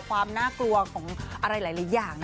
ความน่ากลัวของอะไรหลายอย่าง